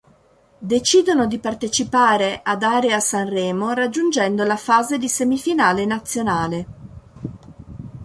Decidono di partecipare ad Area Sanremo raggiungendo la fase di semifinale nazionale.